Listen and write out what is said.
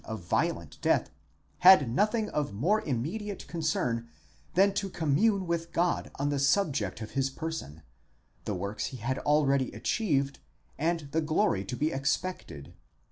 of violent death, had nothing of more immediate concern than to commune with God on the subject of his person, the works he had already achieved, and the glory to be expected